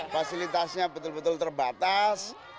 fasilitasnya betul betul terbatas